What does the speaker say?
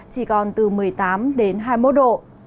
chỉ còn từ một mươi tám đến hai mươi một độ